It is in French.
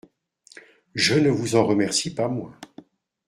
Je ne vous en remercie pas moins…